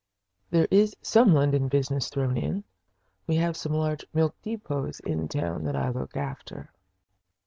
"There is some London business thrown in. We have some large milk depots in town that I look after."